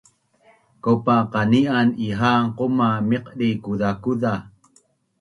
Kaupa qani’an iha’an quma meqdi kuzakuza